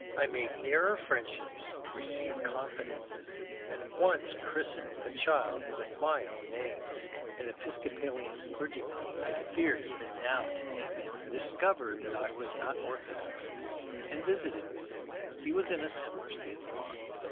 I made nearer friendships, received confidences, and once christened a child with my own name. An Episcopa 116 MONCURE DANIEL CONWAY lian clergyman (I fear even now to name him) disoovered that I was not orthodox, and Tinted me : he was in a similar state of mind.